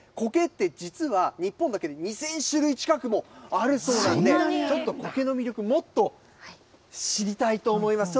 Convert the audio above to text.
そしてね、コケって実は、日本だけで２０００種類近くもあるそうなんで、ちょっとコケの魅力、もっと知りたいと思います。